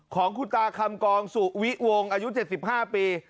ของคุณตาคำกองสุวิวงศ์อายุ๗๕ปี